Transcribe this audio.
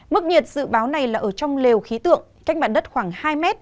mức nhiệt dự báo này là ở trong lều khí tượng cách mạng đất khoảng hai m